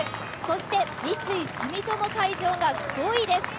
そして三井住友海上が５位です。